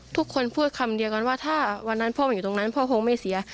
ทุกคนพูดคำเดียวกันว่าถ้าวันนั้นพ่อมาอยู่ตรงนั้นพ่อคงไม่เสีย